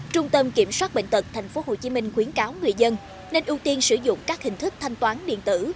trung tâm kiểm soát bệnh tật tp hcm khuyến cáo người dân nên ưu tiên sử dụng các hình thức thanh toán điện tử